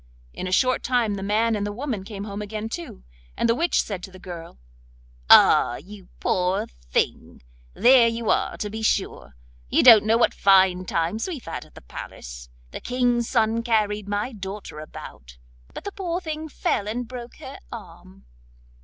In a short time the man and the woman came home again too, and the witch said to the girl: 'Ah! you poor thing, there you are to be sure! You don't know what fine times we have had at the palace! The King's son carried my daughter about, but the poor thing fell and broke her arm.